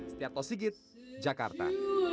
setiap tosigit jakarta